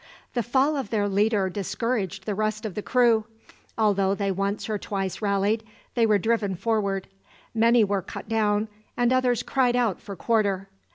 The fall of their leader discouraged the rest of the crew. Although they once or twice rallied, they were driven forward. Many were cut down, and others cried out for quarter.